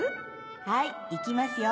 はいいきますよ